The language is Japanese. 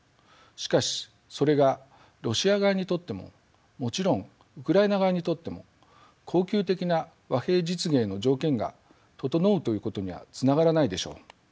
しかしそれがロシア側にとってももちろんウクライナ側にとっても恒久的な和平実現への条件が整うということにはつながらないでしょう。